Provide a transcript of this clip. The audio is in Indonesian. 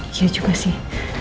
iya juga sih